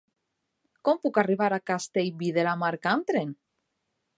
Com puc arribar a Castellví de la Marca amb tren?